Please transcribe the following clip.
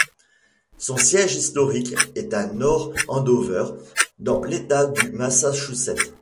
Son siège historique est à North Andover, dans l'État du Massachusetts.